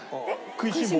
『くいしん坊！』？